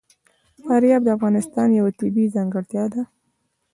فاریاب د افغانستان یوه طبیعي ځانګړتیا ده.